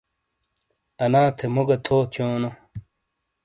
انا تھے مو گہتھو تھیونو ؟